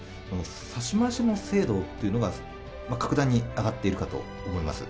指し回しの精度っていうのが、格段に上がっているかと思います。